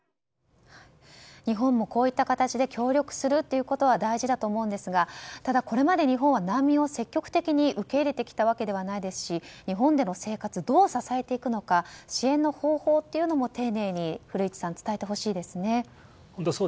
日本もこういった形で協力するということは大事だと思うんですがただ、これまで日本は難民を積極的に受け入れてきたわけではないですし日本での生活どう支えていくのか支援の方法というのも丁寧に伝えてほしいですね